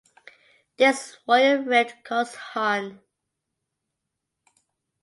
This royal rift caused Hon.